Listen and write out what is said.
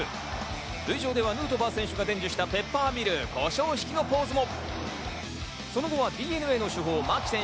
塁上ではヌートバー選手が伝授したペッパーミル、胡椒ひきのポーズも。